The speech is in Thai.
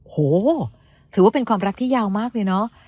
โหถือว่าเป็นความรักที่ยาวมากเลยเนาะ